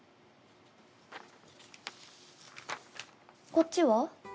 こっちは？